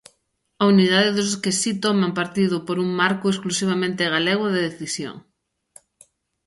A unidade dos que si toman partido por un marco exclusivamente galego de decisión.